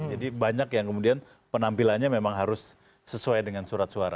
jadi banyak yang kemudian penampilannya memang harus sesuai dengan surat suara